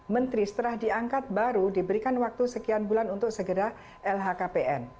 menteri setelah diangkat baru diberikan waktu sekian bulan untuk segera lhkpn